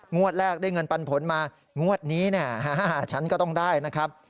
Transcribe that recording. งวดแรกได้เงินปันผลมางวดนี้ฉันก็ต้องได้นะครับ